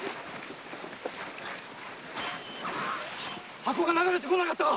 箱が流れてこなかったか⁉